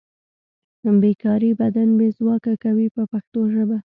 بې کاري بدن بې ځواکه کوي په پښتو ژبه.